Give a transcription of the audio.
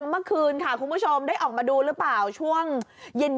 เมื่อคืนค่ะคุณผู้ชมได้ออกมาดูหรือเปล่าช่วงเย็น